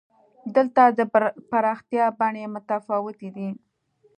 دلته د پراختیا بڼې متفاوتې دي.